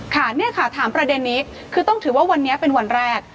ค่ะเนี่ยค่ะถามประเด็นนี้คือต้องถือว่าวันนี้เป็นวันแรก